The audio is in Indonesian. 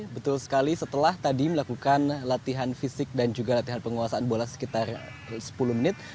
betul sekali setelah tadi melakukan latihan fisik dan juga latihan penguasaan bola sekitar sepuluh menit